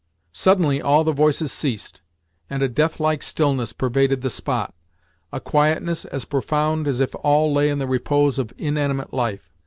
Suddenly all the voices ceased, and a death like stillness pervaded the spot: A quietness as profound as if all lay in the repose of inanimate life.